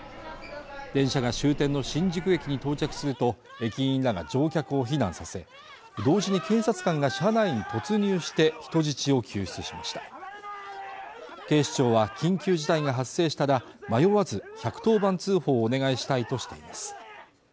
電車が終点の新宿駅に到着すると駅員らが乗客を避難させ同時に警察官が車内に突入して人質を救出しました警視庁は緊急事態が発生したら迷わず１１０番通報をお願いしたいとしています